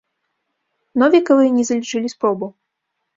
Новікавай не залічылі спробу.